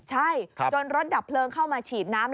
ใช่จนรถดับเพลิงเข้ามาฉีดน้ำ